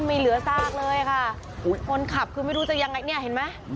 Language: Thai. ไม่เหลือซากเลยค่ะคนขับคือไม่รู้จะยังไงเนี่ยเห็นไหม